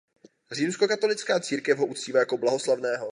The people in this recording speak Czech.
Římskokatolická církev ho uctívá jako blahoslaveného.